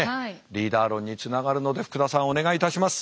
リーダー論につながるので福田さんお願いいたします。